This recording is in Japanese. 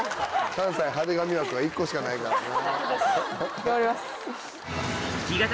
関西派手髪枠は１個しかないからな。